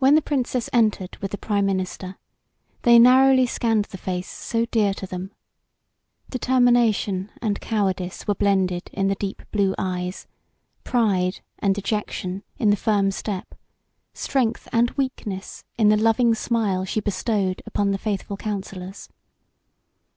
When the Princess entered with the prime minister they narrowly scanned the face so dear to them. Determination and cowardice were blended in the deep blue eyes, pride and dejection in the firm step, strength and weakness in the loving smile she bestowed upon the faithful counsellors.